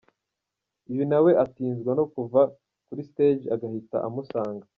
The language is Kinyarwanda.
Uyu nawe atinzwa no kuva kuri ‘stage’ agahita amusanga.